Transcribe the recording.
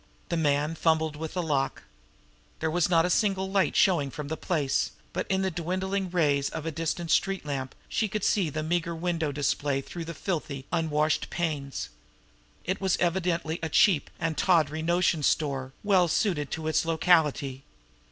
The man fumbled with the lock. There was not a single light showing from the place, but in the dwindling rays of a distant street lamp she could see the meager window display through the filthy, unwashed panes. It was evidently a cheap and tawdry notion store, well suited to its locality.